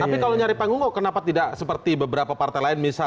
tapi kalau nyari panggung kok kenapa tidak seperti beberapa partai lain misalnya